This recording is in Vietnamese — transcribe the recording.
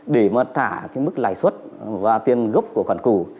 để mà trả mức lãi suất và tiền gốc của khoản cũ